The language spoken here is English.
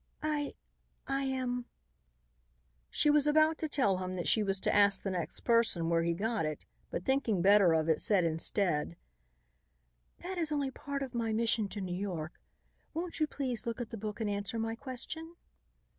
"I I am " she was about to tell him that she was to ask the next person where he got it, but thinking better of it said instead, "That is only part of my mission to New York. Won't you please look at the book and answer my question?"